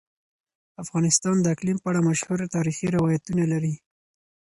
افغانستان د اقلیم په اړه مشهور تاریخی روایتونه لري.